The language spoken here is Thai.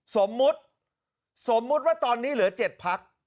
สมมุติว่าตอนนี้เหลือ๗พัก